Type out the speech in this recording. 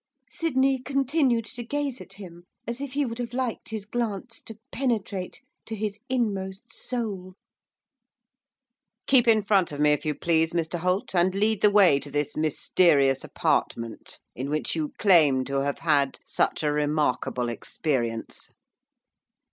Sydney continued to gaze at him as if he would have liked his glance to penetrate to his inmost soul. 'Keep in front of me, if you please, Mr Holt, and lead the way to this mysterious apartment in which you claim to have had such a remarkable experience.